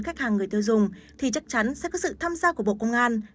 khách hàng người tiêu dùng thì chắc chắn sẽ có sự tham gia của bộ công an